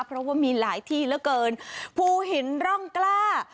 เพราะว่ามีหลายที่เหลือเกินภูหินร่องกล้า